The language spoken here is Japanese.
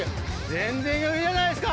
全然余裕じゃないですか！